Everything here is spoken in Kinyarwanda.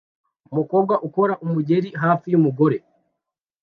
Umukobwa ukora umugeri hafi yumugore